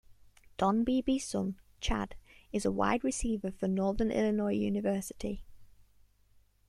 Don Beebe's son, Chad, is a wide receiver for Northern Illinois University.